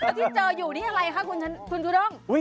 แล้วที่เจออยู่นี่อะไรคะคุณจูด้ง